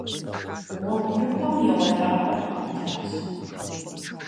Гъуэгурыкӏуэм еуэлӏапӏэ къигъуэтащ.